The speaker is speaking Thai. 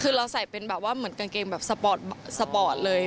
คือเราใส่เป็นแบบว่าเหมือนกางเกงแบบสปอร์ตสปอร์ตเลย